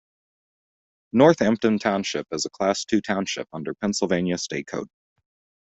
Northampton Township is a class two township under Pennsylvania State Code.